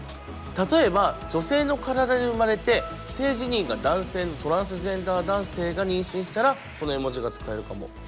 例えば女性の体で生まれて性自認が男性のトランスジェンダー男性が妊娠したらこの絵文字が使えるかも。